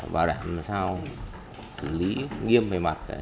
và đảm sao xử lý nghiêm về mặt